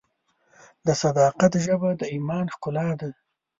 د صداقت ژبه د ایمان ښکلا ده.